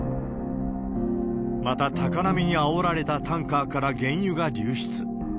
また、高波にあおられたタンカーから原油が流出。